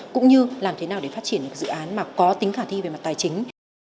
cũng như làm thế nào để phát triển được dự án mà có tính khả thi về mặt tài chính